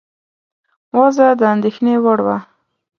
وضع د اندېښنې وړ وه.